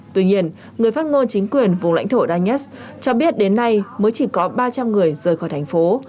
tuy nhiên người phát ngôn chính quyền vùng lãnh thổ danes cho biết đến nay mới chỉ có ba trăm linh người rời khỏi thành phố